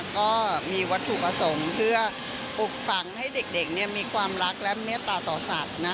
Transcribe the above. ก็มีวัตถุประสงค์เพื่อปลูกฝังให้เด็กมีความรักและเมตตาต่อสัตว์นะ